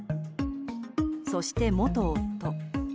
そして元夫。